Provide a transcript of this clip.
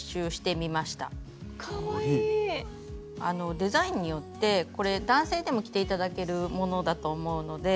デザインによってこれ男性でも着て頂けるものだと思うので。